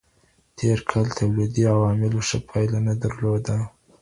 تیر کال تولیدي عواملو ښه پایله نه درلوده.